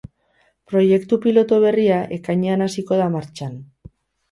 Proiektu pilotu berria ekainean hasiko da martxan.